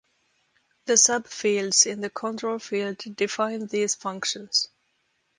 The sub-fields in the control field define these functions.